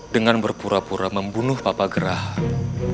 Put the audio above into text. dengan berpura pura membunuh papa gerahan